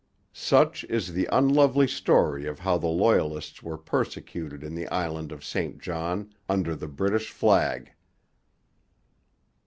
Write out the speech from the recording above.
Such is the unlovely story of how the Loyalists were persecuted in the Island of St John, under the British flag.